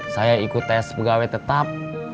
saya ikut tes pegawai tetap